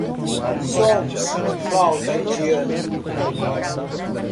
Sons de flauta indiana